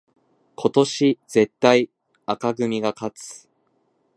今年絶対紅組が勝つ